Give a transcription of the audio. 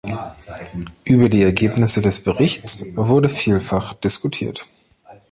Über die Ergebnisse des Berichts wurde vielfach diskutiert.